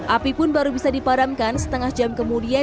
api pun baru bisa dipadamkan setengah jam kemudian